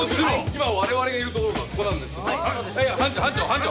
今我々がいるところがここなんですがいや班長